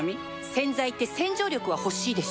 洗剤って洗浄力は欲しいでしょ